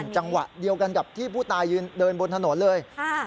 จังหวะเดียวกันกับที่ผู้ตายยืนเดินบนถนนเลย